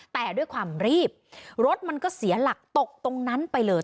แต่ด้วยความรีบรถมันก็เสียหลักตกตรงนั้นไปเลย